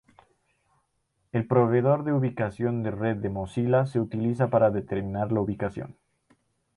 El proveedor de ubicación de red de Mozilla se utiliza para determinar la ubicación.